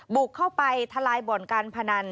บุกเข้าไปทลายบ่อนการพนัน